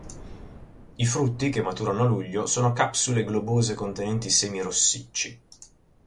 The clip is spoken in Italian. I frutti, che maturano a luglio, sono capsule globose contenenti semi rossicci.